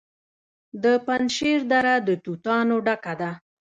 د پنجشیر دره د توتانو ډکه ده.